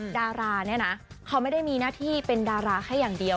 ดาราเนี่ยนะเขาไม่ได้มีหน้าที่เป็นดาราแค่อย่างเดียว